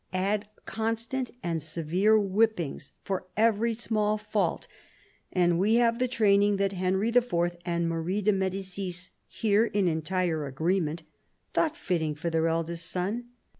Add constant and severe whip pings for every small fault, and we have the training that Henry IV. and Marie de Medicis, here in entire agreement, thought fitting for their eldest son.